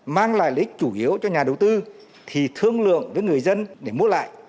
mang lại lý chủ yếu cho nhà đầu tư thì thương lượng với người dân để mua lại